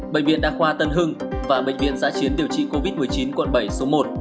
bệnh viện đa khoa tân hưng và bệnh viện giã chiến điều trị covid một mươi chín quận bảy số một